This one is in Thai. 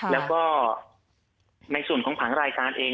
แล้วก็ในส่วนของผังรายการเอง